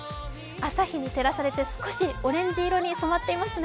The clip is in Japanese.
朝日に照らされて少しオレンジ色に染まっていますね。